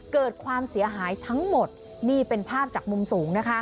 เกิดความเสียหายทั้งหมดนี่เป็นภาพจากมุมสูงนะคะ